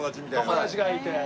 友達がいて。